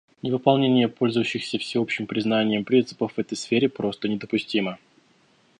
Невыполнение пользующихся всеобщим признанием принципов в этой сфере просто недопустимо.